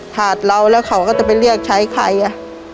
หากเราแล้วเขาก็จะไปเรียกใช้ใครอ่ะ